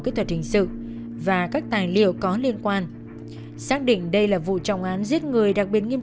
kỹ thuật hình sự và các tài liệu có liên quan xác định đây là vụ trọng án giết người đặc biệt nghiêm